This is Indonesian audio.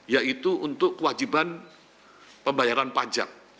yaitu untuk kewajiban pembayaran pajak